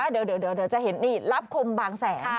เดี๋ยวจะเห็นนี่รับคมบางแสน